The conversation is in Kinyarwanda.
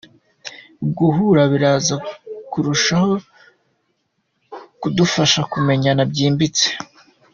Guhura biraza kurushaho kudufasha kumenyana byimbitse.